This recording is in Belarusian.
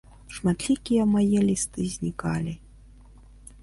Шматлікія мае лісты знікалі.